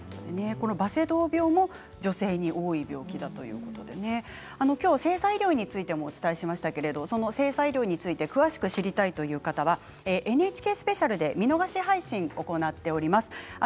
バセドウ病も女性に多い病気だということで今日は性差医療についてもお伝えしましたけれどその性差医療について詳しく知りたいという方はＮＨＫスペシャルで見逃し配信を行っています。